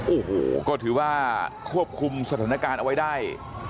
โอ้โหก็ถือว่าควบคุมสถานการณ์เอาไว้ได้